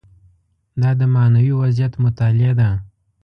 دا د معنوي وضعیت مطالعه ده.